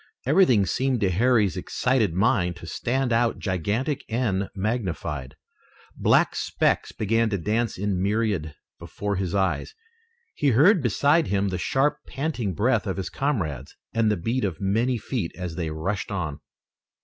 Everything seemed to Harry's excited mind to stand out gigantic and magnified. Black specks began to dance in myriads before his eyes. He heard beside him the sharp, panting breath of his comrades, and the beat of many feet as they rushed on.